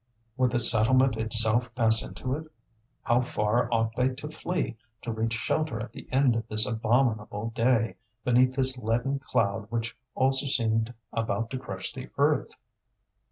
Would the settlement itself pass into it? How far ought they to flee to reach shelter at the end of this abominable day, beneath this leaden cloud which also seemed about to crush the earth?